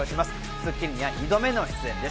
『スッキリ』には２度目の出演です。